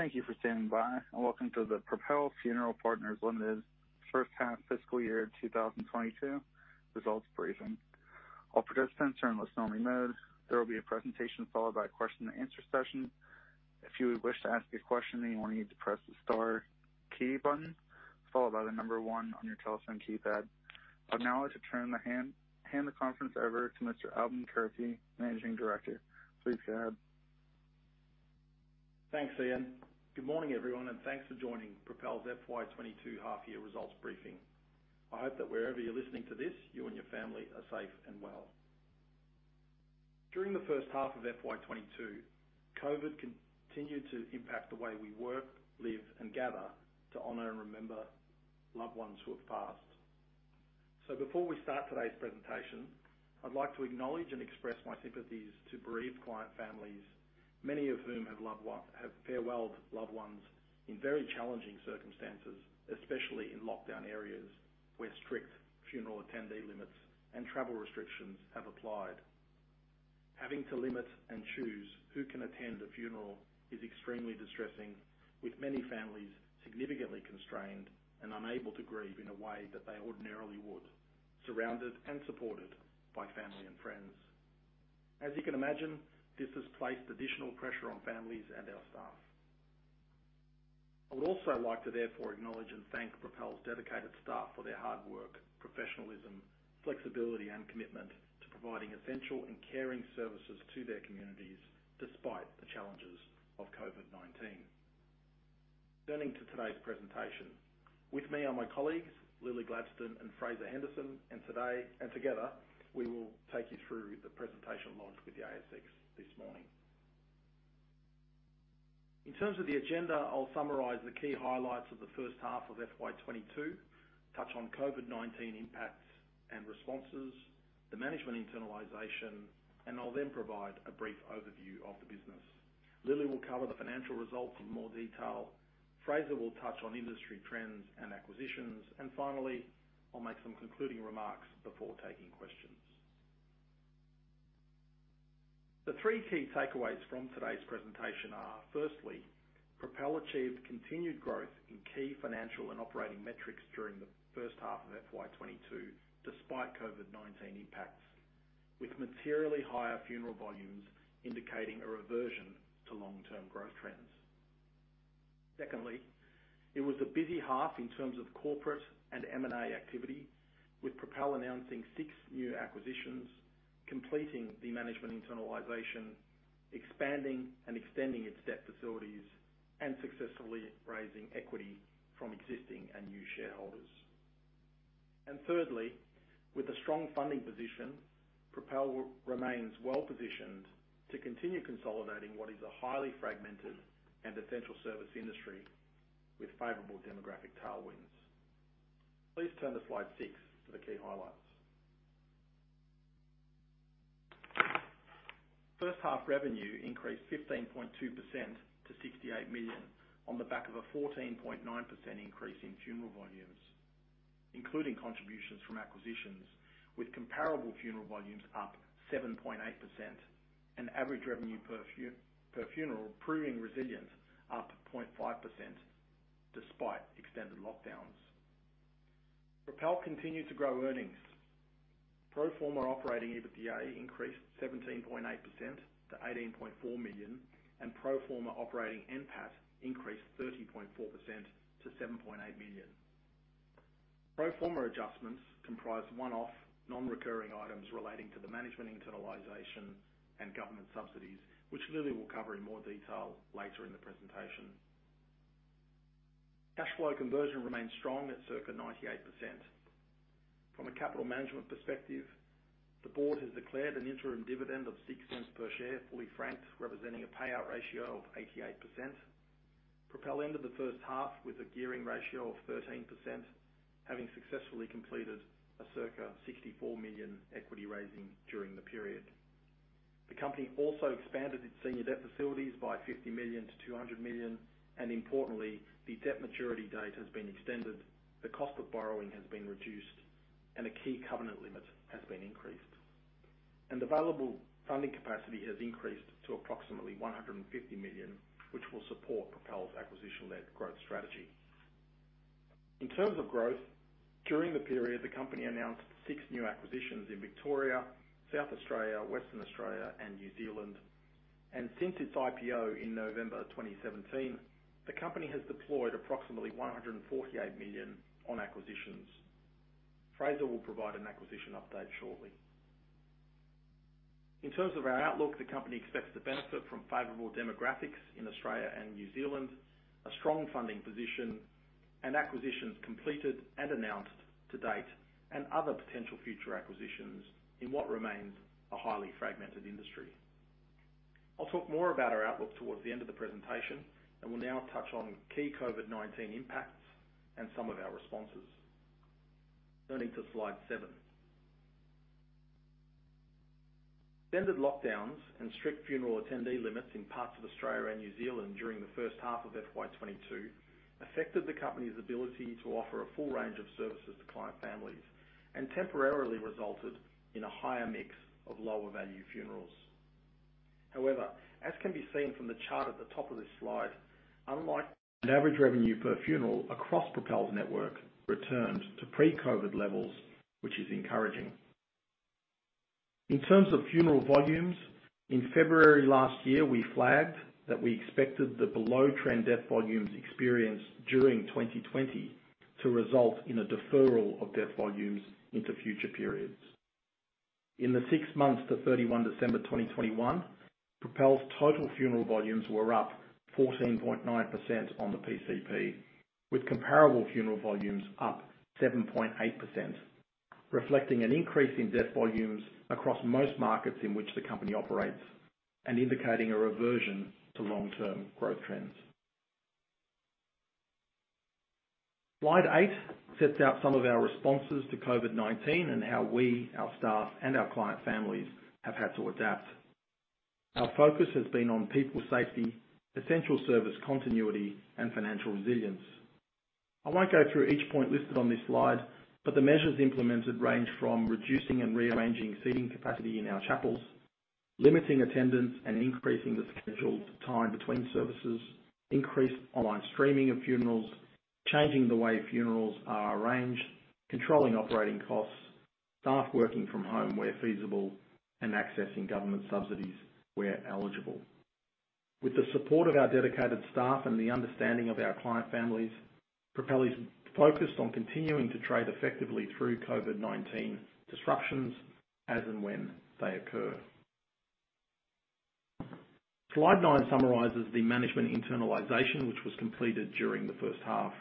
Thank you for standing by, and welcome to the Propel Funeral Partners Limited H1 FY 2022 Results Briefing. All participants are in listen only mode. There will be a presentation followed by a question and answer session. If you would wish to ask a question, then you will need to press the star key button followed by the number one on your telephone keypad. I'd now like to hand the conference over to Mr. Albin Kurti, Managing Director. Please go ahead. Thanks, Ian. Good morning, everyone, and thanks for joining Propel's FY 2022 Half Year Results Briefing. I hope that wherever you're listening to this, you and your family are safe and well. During the first half of FY 2022, COVID continued to impact the way we work, live, and gather to honor and remember loved ones who have passed. Before we start today's presentation, I'd like to acknowledge and express my sympathies to bereaved client families, many of whom have farewelled loved ones in very challenging circumstances, especially in lockdown areas where strict funeral attendee limits and travel restrictions have applied. Having to limit and choose who can attend a funeral is extremely distressing, with many families significantly constrained and unable to grieve in a way that they ordinarily would, surrounded and supported by family and friends. As you can imagine, this has placed additional pressure on families and our staff. I would also like to therefore acknowledge and thank Propel's dedicated staff for their hard work, professionalism, flexibility, and commitment to providing essential and caring services to their communities despite the challenges of COVID-19. Turning to today's presentation. With me are my colleagues, Lilli Rayner and Fraser Henderson, and together, we will take you through the presentation launched with the ASX this morning. In terms of the agenda, I'll summarize the key highlights of the first half of FY 2022, touch on COVID-19 impacts and responses, the management internalization, and I'll then provide a brief overview of the business. Lilli will cover the financial results in more detail. Fraser will touch on industry trends and acquisitions. Finally, I'll make some concluding remarks before taking questions. The three key takeaways from today's presentation are, firstly, Propel achieved continued growth in key financial and operating metrics during the first half of FY 2022 despite COVID-19 impacts, with materially higher funeral volumes indicating a reversion to long-term growth trends. Secondly, it was a busy half in terms of corporate and M&A activity, with Propel announcing six new acquisitions, completing the management internalization, expanding and extending its debt facilities, and successfully raising equity from existing and new shareholders. Thirdly, with a strong funding position, Propel remains well-positioned to continue consolidating what is a highly fragmented and essential service industry with favorable demographic tailwinds. Please turn to slide six for the key highlights. First half revenue increased 15.2% to 68 million on the back of a 14.9% increase in funeral volumes, including contributions from acquisitions, with comparable funeral volumes up 7.8% and average revenue per funeral proving resilient up 0.5% despite extended lockdowns. Propel continued to grow earnings. Pro forma operating EBITDA increased 17.8% to 18.4 million, and pro forma operating NPAT increased 30.4% to 7.8 million. Pro forma adjustments comprise one-off non-recurring items relating to the management internalization and government subsidies, which Lilli will cover in more detail later in the presentation. Cash flow conversion remains strong at circa 98%. From a capital management perspective, the board has declared an interim dividend of 0.06 per share, fully franked, representing a payout ratio of 88%. Propel ended the first half with a gearing ratio of 13%, having successfully completed a circa 64 million equity raising during the period. The company also expanded its senior debt facilities by 50 million to 200 million, and importantly, the debt maturity date has been extended, the cost of borrowing has been reduced, and a key covenant limit has been increased. Available funding capacity has increased to approximately 150 million, which will support Propel's acquisition-led growth strategy. In terms of growth, during the period, the company announced 6 new acquisitions in Victoria, South Australia, Western Australia, and New Zealand. Since its IPO in November 2017, the company has deployed approximately 148 million on acquisitions. Fraser will provide an acquisition update shortly. In terms of our outlook, the company expects to benefit from favorable demographics in Australia and New Zealand, a strong funding position, and acquisitions completed and announced to date, and other potential future acquisitions in what remains a highly fragmented industry. I'll talk more about our outlook towards the end of the presentation, and we'll now touch on key COVID-19 impacts and some of our responses. Turning to slide 7. Extended lockdowns and strict funeral attendee limits in parts of Australia and New Zealand during the first half of FY 2022 affected the company's ability to offer a full range of services to client families and temporarily resulted in a higher mix of lower-value funerals. However, as can be seen from the chart at the top of this slide, average revenue per funeral across Propel's network returned to pre-COVID-19 levels, which is encouraging. In terms of funeral volumes, in February last year, we flagged that we expected the below-trend death volumes experienced during 2020 to result in a deferral of death volumes into future periods. In the six months to 31 December 2021, Propel's total funeral volumes were up 14.9% on the PCP, with comparable funeral volumes up 7.8%, reflecting an increase in death volumes across most markets in which the company operates and indicating a reversion to long-term growth trends. Slide 8 sets out some of our responses to COVID-19 and how we, our staff, and our client families have had to adapt. Our focus has been on people safety, essential service continuity, and financial resilience. I won't go through each point listed on this slide, but the measures implemented range from reducing and rearranging seating capacity in our chapels, limiting attendance and increasing the scheduled time between services, increased online streaming of funerals, changing the way funerals are arranged, controlling operating costs, staff working from home where feasible, and accessing government subsidies where eligible. With the support of our dedicated staff and the understanding of our client families, Propel is focused on continuing to trade effectively through COVID-19 disruptions as and when they occur. Slide 9 summarizes the management internalization, which was completed during the first half.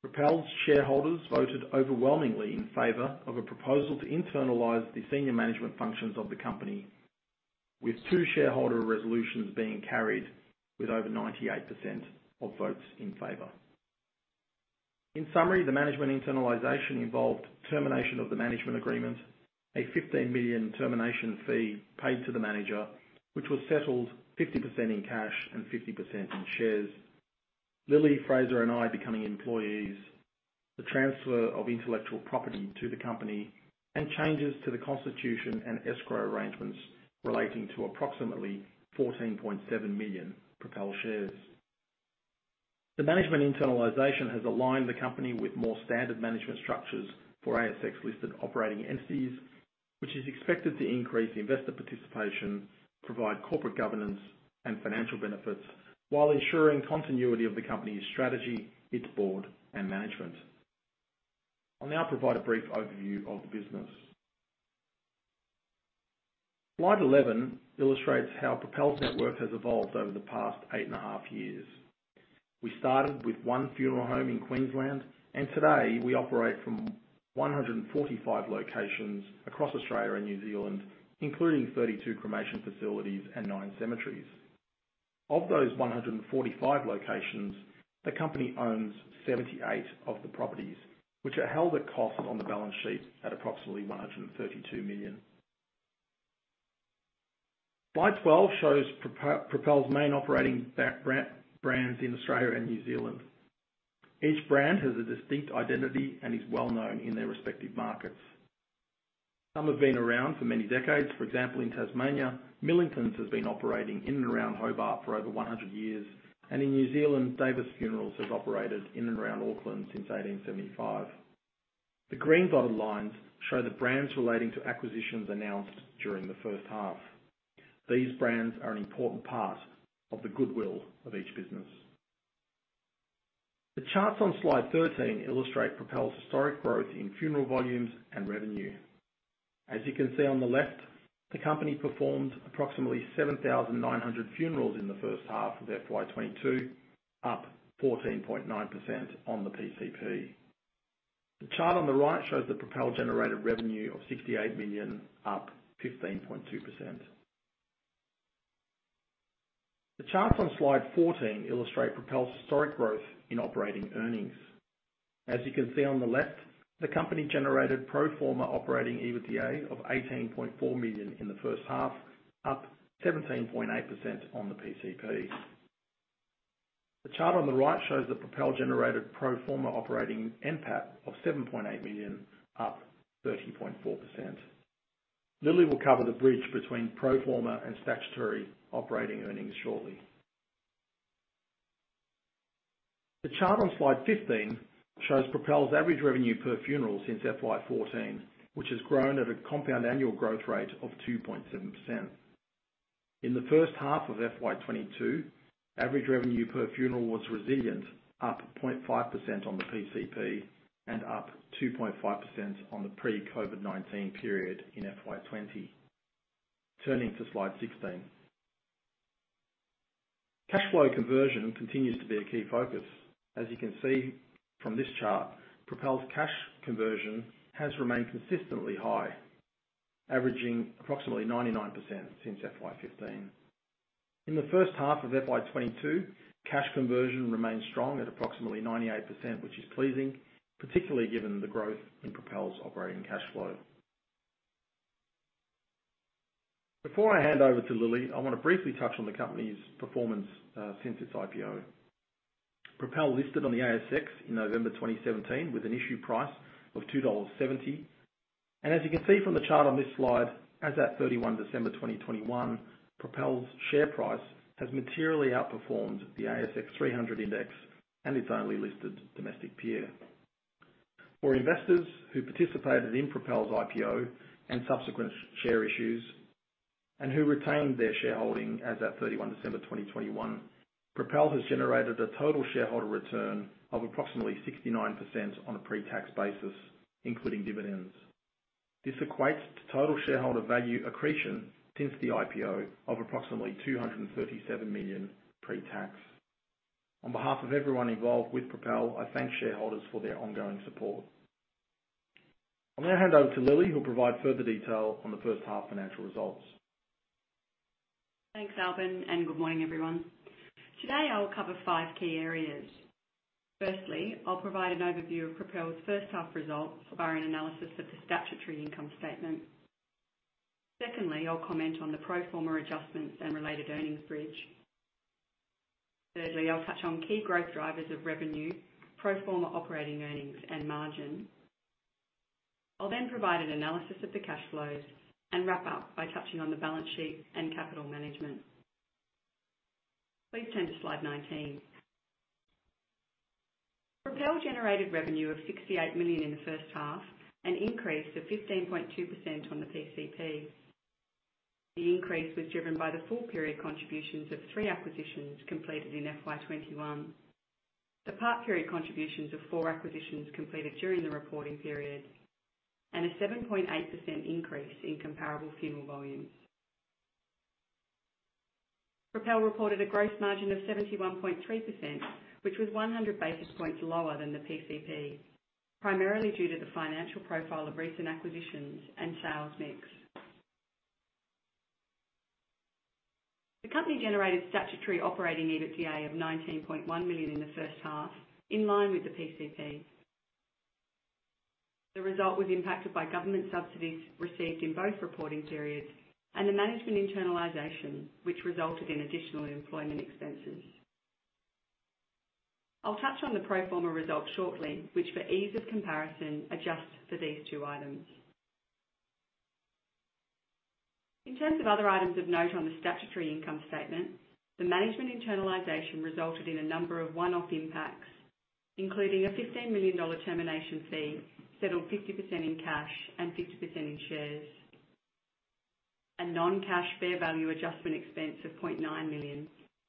Propel's shareholders voted overwhelmingly in favor of a proposal to internalize the senior management functions of the company, with two shareholder resolutions being carried with over 98% of votes in favor. In summary, the management internalization involved termination of the management agreement, 15 million termination fee paid to the manager, which was settled 50% in cash and 50% in shares, Lilli, Fraser, and I becoming employees, the transfer of intellectual property to the company, and changes to the constitution and escrow arrangements relating to approximately 14.7 million Propel shares. The management internalization has aligned the company with more standard management structures for ASX-listed operating entities, which is expected to increase investor participation, provide corporate governance and financial benefits while ensuring continuity of the company's strategy, its board, and management. I'll now provide a brief overview of the business. Slide 11 illustrates how Propel's network has evolved over the past 8.5 years. We started with one funeral home in Queensland, and today we operate from 145 locations across Australia and New Zealand, including 32 cremation facilities and 9 cm. Of those 145 locations, the company owns 78 of the properties, which are held at cost on the balance sheet at approximately 132 million. Slide 12 shows Propel's main operating brands in Australia and New Zealand. Each brand has a distinct identity and is well-known in their respective markets. Some have been around for many decades. For example, in Tasmania, Millingtons has been operating in and around Hobart for over 100 years, and in New Zealand, Davis Funerals has operated in and around Auckland since 1875. The green dotted lines show the brands relating to acquisitions announced during the first half. These brands are an important part of the goodwill of each business. The charts on slide 13 illustrate Propel's historic growth in funeral volumes and revenue. As you can see on the left, the company performed approximately 7,900 funerals in the first half of FY 2022, up 14.9% on the PCP. The chart on the right shows that Propel generated revenue of 68 million, up 15.2%. The charts on slide 14 illustrate Propel's historic growth in operating earnings. As you can see on the left, the company generated pro forma operating EBITDA of 18.4 million in the first half, up 17.8% on the PCP. The chart on the right shows that Propel generated pro forma operating NPAT of 7.8 million, up 13.4%. Lilli will cover the bridge between pro forma and statutory operating earnings shortly. The chart on slide 15 shows Propel's average revenue per funeral since FY 2014, which has grown at a compound annual growth rate of 2.7%. In the first half of FY 2022, average revenue per funeral was resilient, up 0.5% on the PCP and up 2.5% on the pre-COVID-19 period in FY 2020. Turning to slide 16. Cash flow conversion continues to be a key focus. As you can see from this chart, Propel's cash conversion has remained consistently high, averaging approximately 99% since FY 2015. In the first half of FY 2022, cash conversion remained strong at approximately 98%, which is pleasing, particularly given the growth in Propel's operating cash flow. Before I hand over to Lily, I wanna briefly touch on the company's performance since its IPO. Propel listed on the ASX in November 2017 with an issue price of 2.70 dollars. As you can see from the chart on this slide, as at 31 December 2021, Propel's share price has materially outperformed the ASX 300 index and its only listed domestic peer. For investors who participated in Propel's IPO and subsequent share issues, and who retained their shareholding as at 31 December 2021, Propel has generated a total shareholder return of approximately 69% on a pre-tax basis, including dividends. This equates to total shareholder value accretion since the IPO of approximately 237 million pre-tax. On behalf of everyone involved with Propel, I thank shareholders for their ongoing support. I'm gonna hand over to Lily, who'll provide further detail on the first half financial results. Thanks, Albin, and good morning, everyone. Today, I'll cover five key areas. Firstly, I'll provide an overview of Propel's first half results via an analysis of the statutory income statement. Secondly, I'll comment on the pro forma adjustments and related earnings bridge. Thirdly, I'll touch on key growth drivers of revenue, pro forma operating earnings, and margin. I'll then provide an analysis of the cash flows and wrap up by touching on the balance sheet and capital management. Please turn to slide 19. Propel generated revenue of 68 million in the first half, an increase of 15.2% on the PCP. The increase was driven by the full period contributions of three acquisitions completed in FY 2021. The part period contributions of four acquisitions completed during the reporting period and a 7.8% increase in comparable funeral volumes. Propel reported a gross margin of 71.3%, which was 100 basis points lower than the PCP, primarily due to the financial profile of recent acquisitions and sales mix. The company generated statutory operating EBITDA of 19.1 million in the first half, in line with the PCP. The result was impacted by government subsidies received in both reporting periods and the management internalization, which resulted in additional employment expenses. I'll touch on the pro forma results shortly, which for ease of comparison, adjust for these two items. In terms of other items of note on the statutory income statement, the management internalization resulted in a number of one-off impacts, including a 15 million termination fee, settled 50% in cash and 50% in shares. A non-cash fair value adjustment expense of 0.9 million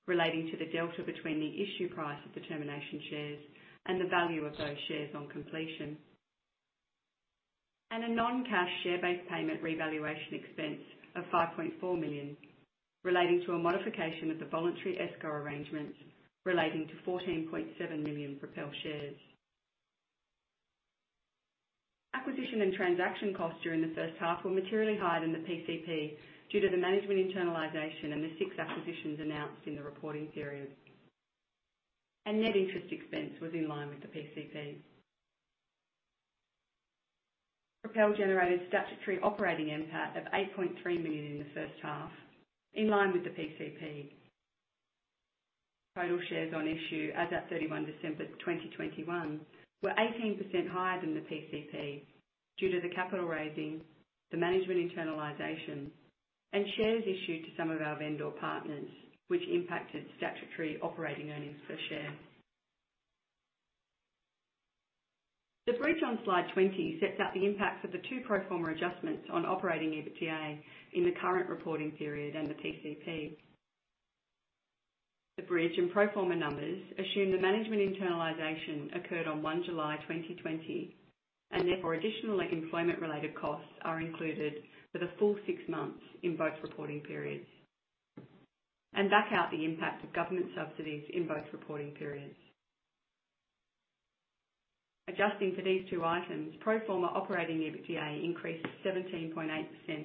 relating to the delta between the issue price of the termination shares and the value of those shares on completion. A non-cash share-based payment revaluation expense of 5.4 million relating to a modification of the voluntary escrow arrangement relating to 14.7 million Propel shares. Acquisition and transaction costs during the first half were materially higher than the PCP due to the management internalization and the six acquisitions announced in the reporting period. Net interest expense was in line with the PCP. Propel generated statutory operating NPAT of 8.3 million in the first half, in line with the PCP. Total shares on issue as at 31 December 2021 were 18% higher than the PCP due to the capital raising, the management internalization, and shares issued to some of our vendor partners, which impacted statutory operating earnings per share. The bridge on slide 20 sets out the impact of the two pro forma adjustments on operating EBITDA in the current reporting period and the PCP. The bridge and pro forma numbers assume the management internalization occurred on 1 July 2020, and therefore additional employment-related costs are included for the full 6 months in both reporting periods and back out the impact of government subsidies in both reporting periods. Adjusting for these two items, pro forma operating EBITDA increased 17.8%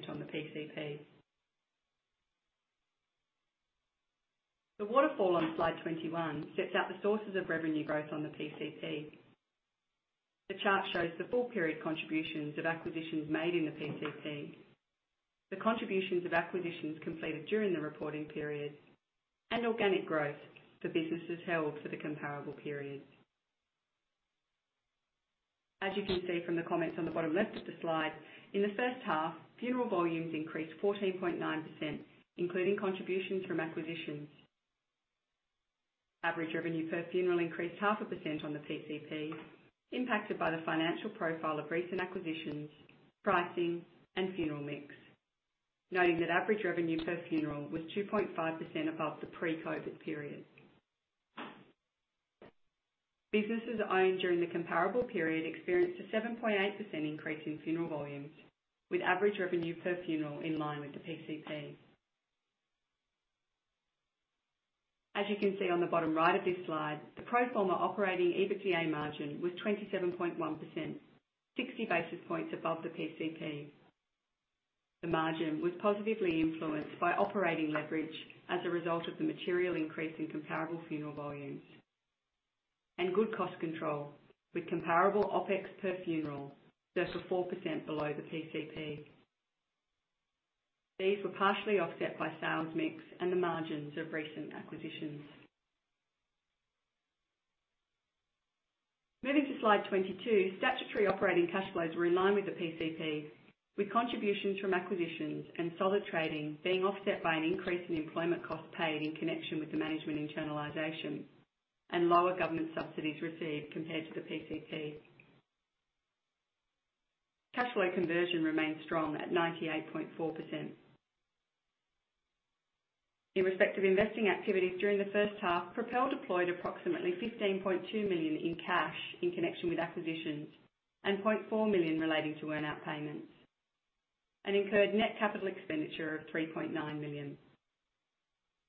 on the PCP. The waterfall on slide 21 sets out the sources of revenue growth on the PCP. The chart shows the full period contributions of acquisitions made in the PCP, the contributions of acquisitions completed during the reporting period, and organic growth for businesses held for the comparable period. As you can see from the comments on the bottom left of the slide, in the first half, funeral volumes increased 14.9%, including contributions from acquisitions. Average revenue per funeral increased 0.5% on the PCP, impacted by the financial profile of recent acquisitions, pricing, and funeral mix. Noting that average revenue per funeral was 2.5% above the pre-COVID period. Businesses owned during the comparable period experienced a 7.8% increase in funeral volumes, with average revenue per funeral in line with the PCP. As you can see on the bottom right of this slide, the pro forma operating EBITDA margin was 27.1%, 60 basis points above the PCP. The margin was positively influenced by operating leverage as a result of the material increase in comparable funeral volumes. Good cost control, with comparable OpEx per funeral, just 4% below the PCP. These were partially offset by sales mix and the margins of recent acquisitions. Moving to slide 22, statutory operating cash flows were in line with the PCP, with contributions from acquisitions and solid trading being offset by an increase in employment costs paid in connection with the management internalization and lower government subsidies received compared to the PCP. Cash flow conversion remained strong at 98.4%. In respect of investing activities during the first half, Propel deployed approximately 15.2 million in cash in connection with acquisitions and 0.4 million relating to earn-out payments, and incurred net capital expenditure of 3.9 million.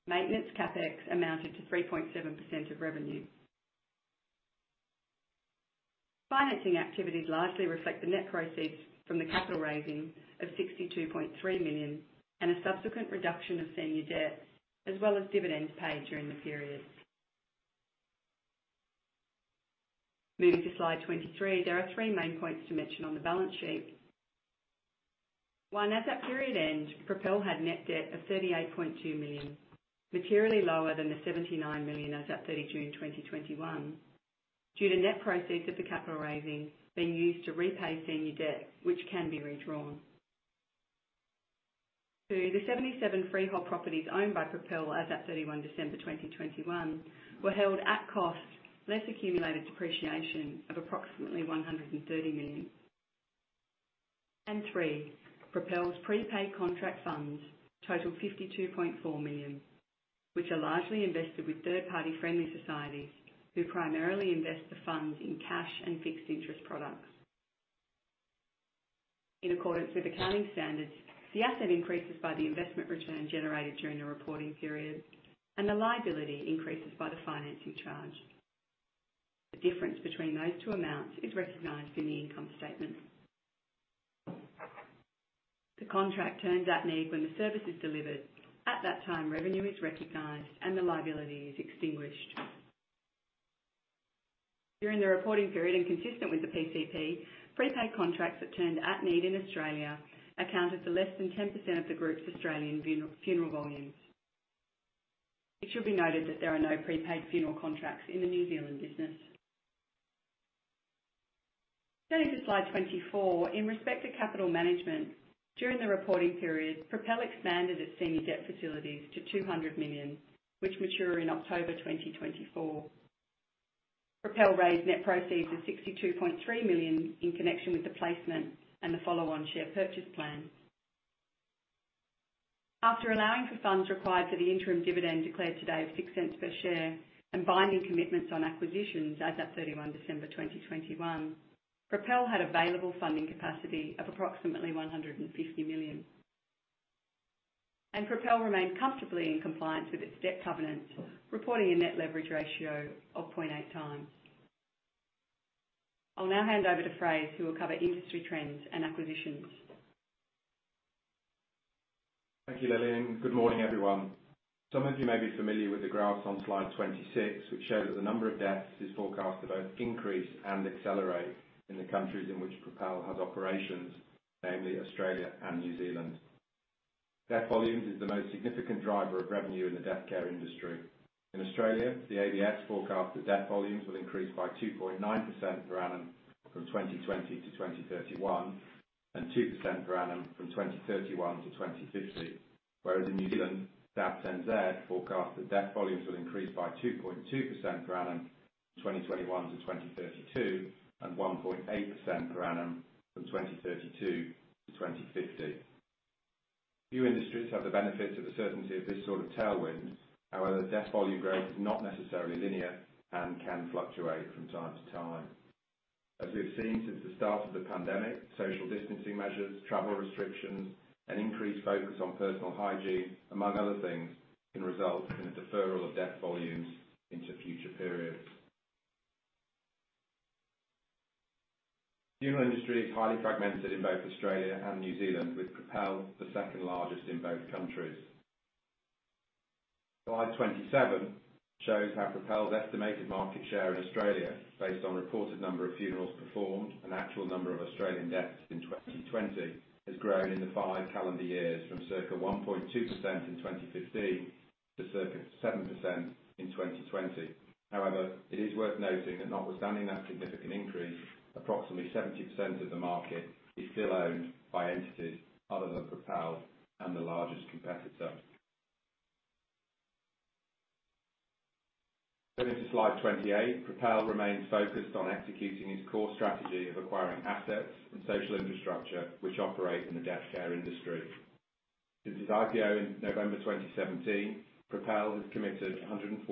Maintenance CapEx amounted to 3.7% of revenue. Financing activities largely reflect the net proceeds from the capital raising of 62.3 million and a subsequent reduction of senior debt, as well as dividends paid during the period. Moving to slide 23, there are three main points to mention on the balance sheet. One, at that period end, Propel had net debt of 38.2 million, materially lower than the 79 million as at 30 June 2021, due to net proceeds of the capital raising being used to repay senior debt, which can be redrawn. Two, the 77 freehold properties owned by Propel as at 31 December 2021 were held at cost less accumulated depreciation of approximately 130 million. Three, Propel's prepaid contract funds total 52.4 million, which are largely invested with third-party friendly societies who primarily invest the funds in cash and fixed interest products. In accordance with accounting standards, the asset increases by the investment return generated during the reporting period, and the liability increases by the financing charge. The difference between those two amounts is recognized in the income statement. The contract turns at need when the service is delivered. At that time, revenue is recognized and the liability is extinguished. During the reporting period, and consistent with the PCP, prepaid contracts that turned at need in Australia accounted for less than 10% of the group's Australian funeral volumes. It should be noted that there are no prepaid funeral contracts in the New Zealand business. Going to slide 24, in respect to capital management, during the reporting period, Propel expanded its senior debt facilities to 200 million, which mature in October 2024. Propel raised net proceeds of 62.3 million in connection with the placement and the follow-on share purchase plan. After allowing for funds required for the interim dividend declared today of 0.06 per share and binding commitments on acquisitions as at 31 December 2021, Propel had available funding capacity of approximately 150 million. Propel remained comfortably in compliance with its debt covenants, reporting a net leverage ratio of 0.8x. I'll now hand over to Fraser, who will cover industry trends and acquisitions. Thank you, Lilli. Good morning, everyone. Some of you may be familiar with the graphs on slide 26, which show that the number of deaths is forecasted to both increase and accelerate in the countries in which Propel has operations, namely Australia and New Zealand. Death volumes is the most significant driver of revenue in the Death Care Industry. In Australia, the ABS forecasts that death volumes will increase by 2.9% per annum from 2020 to 2031, and 2% per annum from 2031 to 2050. Whereas in New Zealand, Stats NZ forecast that death volumes will increase by 2.2% per annum from 2021 to 2032, and 1.8% per annum from 2032 to 2050. Few industries have the benefit of the certainty of this sort of tailwind. However, death volume growth is not necessarily linear and can fluctuate from time to time. As we've seen since the start of the pandemic, social distancing measures, travel restrictions, and increased focus on personal hygiene, among other things, can result in a deferral of death volumes into future periods. The funeral industry is highly fragmented in both Australia and New Zealand, with Propel the second largest in both countries. Slide 27 shows how Propel's estimated market share in Australia, based on reported number of funerals performed and actual number of Australian deaths in 2020, has grown in the five calendar years from circa 1.2% in 2015 to circa 7% in 2020. However, it is worth noting that notwithstanding that significant increase, approximately 70% of the market is still owned by entities other than Propel and the largest competitor. Going to slide 28, Propel remains focused on executing its core strategy of acquiring assets and social infrastructure which operate in the Death Care Industry. Since its IPO in November 2017, Propel has committed 147.7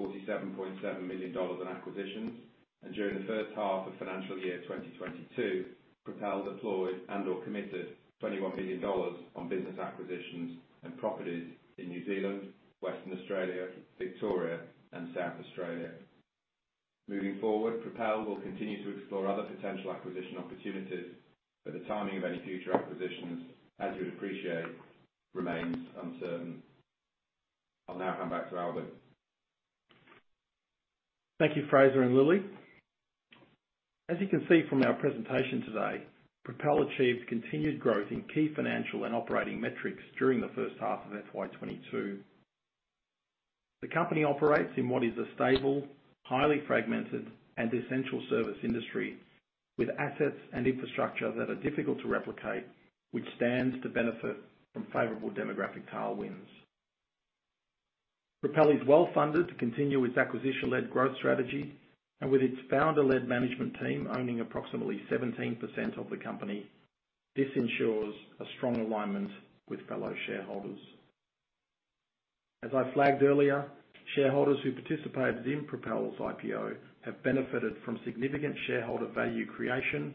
million dollars in acquisitions. During the first half of financial year 2022, Propel deployed and/or committed 21 million dollars on business acquisitions and properties in New Zealand, Western Australia, Victoria, and South Australia. Moving forward, Propel will continue to explore other potential acquisition opportunities, but the timing of any future acquisitions, as you would appreciate, remains uncertain. I'll now hand back to Albin. Thank you, Fraser and Lily. As you can see from our presentation today, Propel achieved continued growth in key financial and operating metrics during the first half of FY 2022. The company operates in what is a stable, highly fragmented, and essential service industry, with assets and infrastructure that are difficult to replicate, which stands to benefit from favorable demographic tailwinds. Propel is well-funded to continue its acquisition-led growth strategy. With its founder-led management team owning approximately 17% of the company, this ensures a strong alignment with fellow shareholders. As I flagged earlier, shareholders who participated in Propel's IPO have benefited from significant shareholder value creation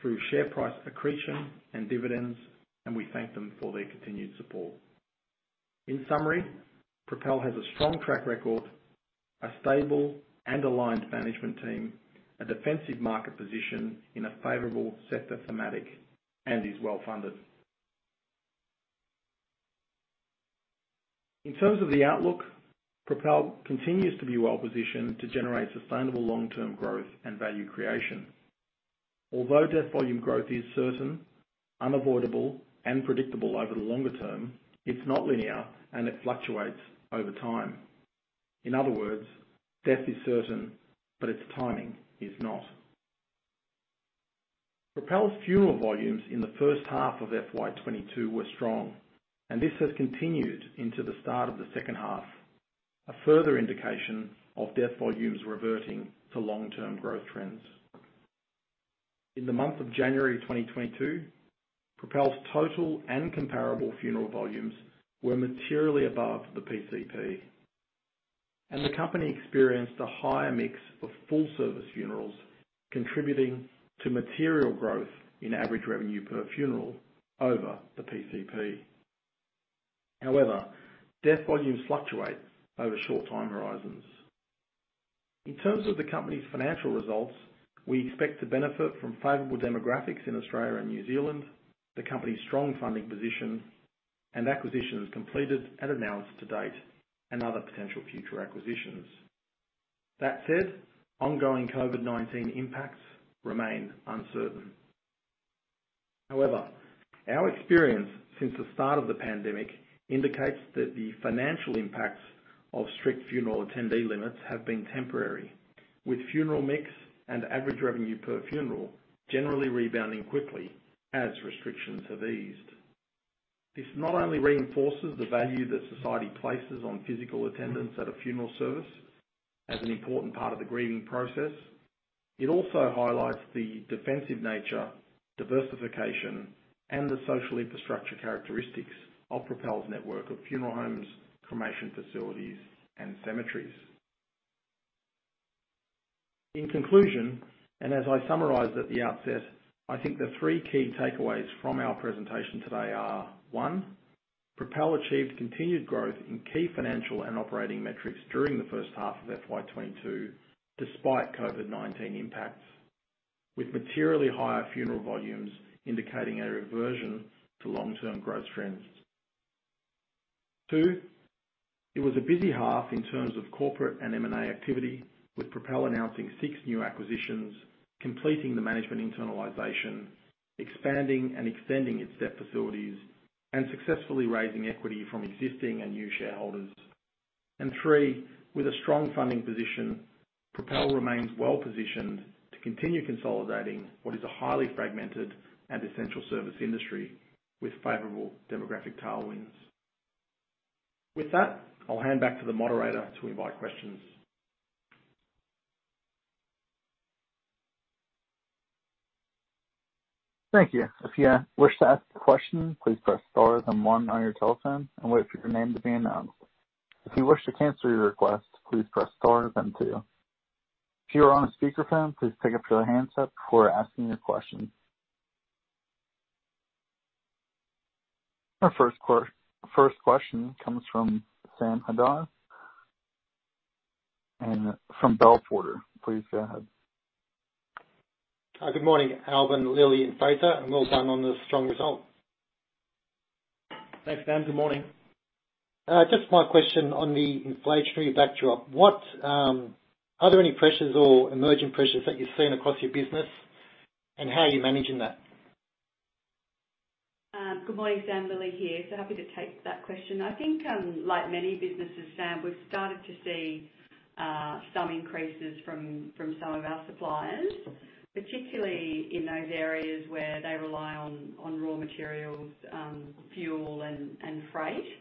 through share price accretion and dividends, and we thank them for their continued support. In summary, Propel has a strong track record, a stable and aligned management team, a defensive market position in a favorable sector thematic, and is well-funded. In terms of the outlook, Propel continues to be well-positioned to generate sustainable long-term growth and value creation. Although death volume growth is certain, unavoidable, and predictable over the longer term, it's not linear, and it fluctuates over time. In other words, death is certain, but its timing is not. Propel's funeral volumes in the first half of FY 2022 were strong, and this has continued into the start of the second half, a further indication of death volumes reverting to long-term growth trends. In the month of January 2022, Propel's total and comparable funeral volumes were materially above the PCP. The company experienced a higher mix of full-service funerals, contributing to material growth in average revenue per funeral over the PCP. However, death volumes fluctuate over short time horizons. In terms of the company's financial results, we expect to benefit from favorable demographics in Australia and New Zealand, the company's strong funding position, and acquisitions completed and announced to date, and other potential future acquisitions. That said, ongoing COVID-19 impacts remain uncertain. However, our experience since the start of the pandemic indicates that the financial impacts of strict funeral attendee limits have been temporary, with funeral mix and average revenue per funeral generally rebounding quickly as restrictions have eased. This not only reinforces the value that society places on physical attendance at a funeral service as an important part of the grieving process, it also highlights the defensive nature, diversification, and the social infrastructure characteristics of Propel's network of funeral homes, cremation facilities, and cemeteries. In conclusion, and as I summarized at the outset, I think the three key takeaways from our presentation today are, one, Propel achieved continued growth in key financial and operating metrics during the first half of FY 2022 despite COVID-19 impacts, with materially higher funeral volumes indicating a reversion to long-term growth trends. Two, it was a busy half in terms of corporate and M&A activity, with Propel announcing six new acquisitions, completing the management internalization, expanding and extending its debt facilities, and successfully raising equity from existing and new shareholders. And three, with a strong funding position, Propel remains well-positioned to continue consolidating what is a highly fragmented and essential service industry with favorable demographic tailwinds. With that, I'll hand back to the moderator to invite questions. Thank you. If you wish to ask a question, please press star then one on your telephone and wait for your name to be announced. If you wish to cancel your request, please press star then two. If you are on a speakerphone, please pick up your handset before asking your question. Our first question comes from Sam Haddad and from Bell Potter. Please go ahead. Hi. Good morning, Albin, Lilli, and Fraser, and well done on the strong result. Thanks, Sam. Good morning. Just my question on the inflationary backdrop. Are there any pressures or emerging pressures that you're seeing across your business, and how are you managing that? Good morning, Sam. Lilli here. Happy to take that question. I think, like many businesses, Sam, we've started to see some increases from, from some of our suppliers, particularly in those areas where they rely on, on raw materials, fuel and, and freight.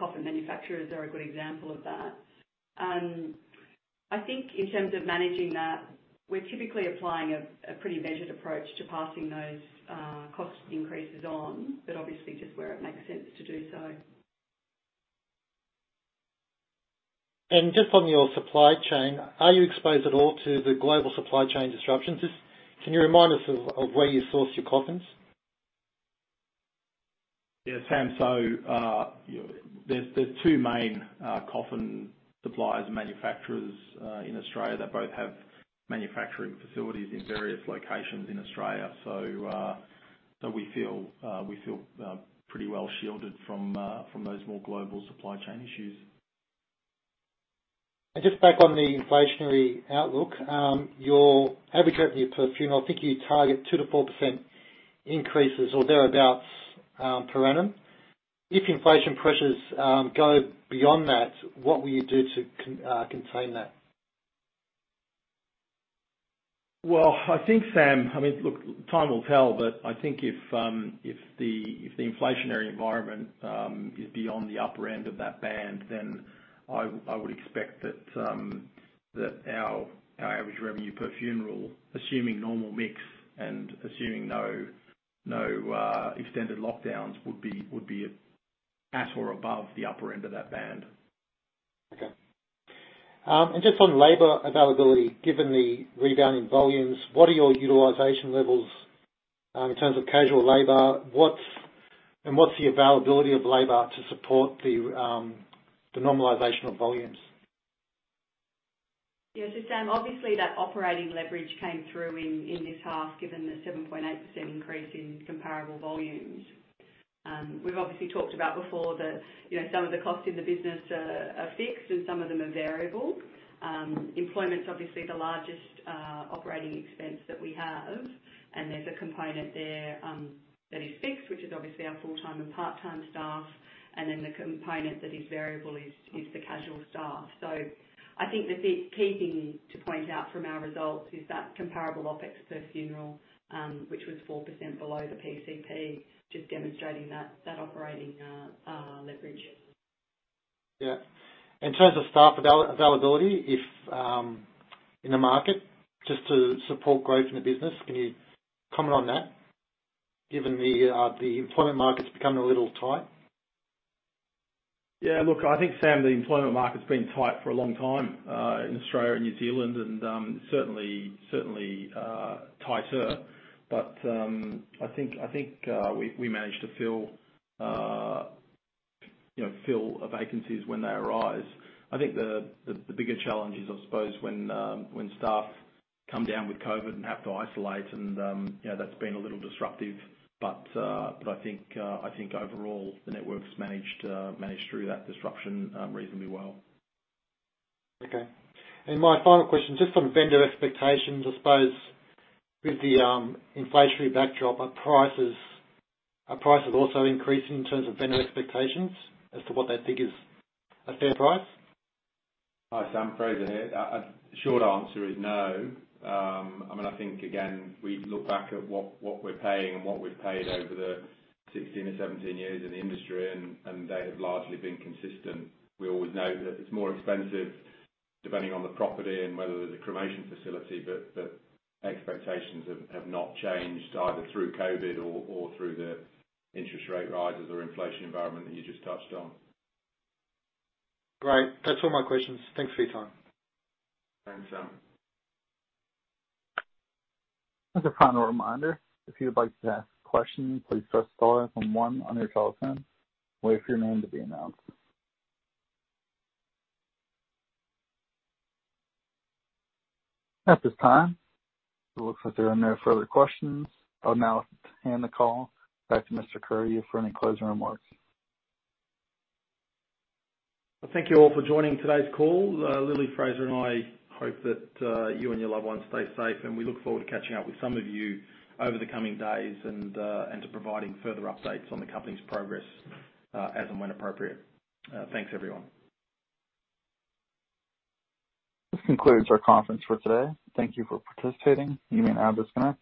Coffin manufacturers are a good example of that. I think in terms of managing that, we're typically applying a a pretty measured approach to passing those cost increases on, but obviously just where it makes sense to do so. Just on your supply chain, are you exposed at all to the global supply chain disruptions? Just, can you remind us of where you source your coffins? Yeah, Sam. You know, there's two main coffin suppliers and manufacturers in Australia that both have manufacturing facilities in various locations in Australia. We feel pretty well shielded from those more global supply chain issues. Just back on the inflationary outlook, your average revenue per funeral, I think you target 2%-4% increases or thereabouts, per annum. If inflation pressures go beyond that, what will you do to contain that? Well, I think, Sam, I mean, look, time will tell, but I think if the inflationary environment is beyond the upper end of that band, then I would expect that our average revenue per funeral, assuming normal mix and assuming no extended lockdowns, would be at or above the upper end of that band. Okay. Just on labor availability, given the rebounding volumes, what are your utilization levels in terms of casual labor? What's the availability of labor to support the normalization of volumes? Yeah. Sam, obviously that operating leverage came through in this half, given the 7.8% increase in comparable volumes. We've obviously talked about before that, you know, some of the costs in the business are fixed and some of them are variable. Employment's obviously the largest operating expense that we have, and there's a component there that is fixed, which is obviously our full-time and part-time staff, and then the component that is variable is the casual staff. I think that the key thing to point out from our results is that comparable OpEx per funeral, which was 4% below the PCP, just demonstrating that operating leverage. Yeah. In terms of staff availability, if in the market just to support growth in the business, can you comment on that given the employment market's becoming a little tight? Yeah. Look, I think, Sam, the employment market's been tight for a long time in Australia and New Zealand and certainly tighter. I think we manage to fill you know vacancies when they arise. I think the bigger challenge is I suppose when staff come down with COVID and have to isolate and you know that's been a little disruptive, but I think overall the network's managed through that disruption reasonably well. Okay. My final question, just on vendor expectations, I suppose with the inflationary backdrop, are prices also increasing in terms of vendor expectations as to what they think is a fair price? Hi, Sam. Fraser here. Short answer is no. I mean, I think again, we look back at what we're paying and what we've paid over the 16 or 17 years in the industry and they have largely been consistent. We always know that it's more expensive depending on the property and whether there's a cremation facility, but expectations have not changed either through COVID or through the interest rate rises or inflation environment that you just touched on. Great. That's all my questions. Thanks for your time. Thanks, Sam. As a final reminder, if you would like to ask questions, please press star then one on your telephone. Wait for your name to be announced. At this time, it looks like there are no further questions. I'll now hand the call back to Mr. Kurti for any closing remarks. Well, thank you all for joining today's call. Lily, Fraser, and I hope that you and your loved ones stay safe, and we look forward to catching up with some of you over the coming days and to providing further updates on the company's progress, as and when appropriate. Thanks, everyone. This concludes our conference for today. Thank you for participating. You may now disconnect.